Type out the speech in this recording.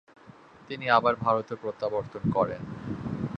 তিনি আবার ভারতে প্রত্যাবর্তন করেন।